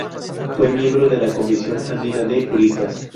Fue miembro de la Comisión Andina de Juristas.